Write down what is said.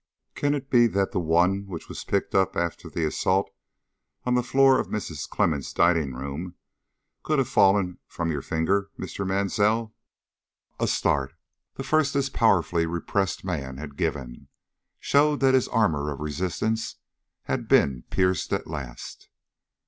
Can it be that the one which was picked up after the assault, on the floor of Mrs. Clemmens' dining room, could have fallen from your finger, Mr. Mansell?" A start, the first this powerfully repressed man had given, showed that his armor of resistance had been pierced at last.